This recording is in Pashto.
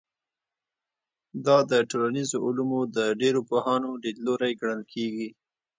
دا د ټولنیزو علومو د ډېرو پوهانو لیدلوری ګڼل کېږي.